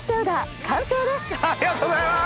ありがとうございます